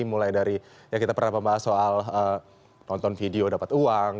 mulai dari ya kita pernah membahas soal nonton video dapat uang